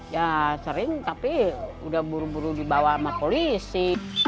ya sering tapi udah buru buru dibawa sama polisi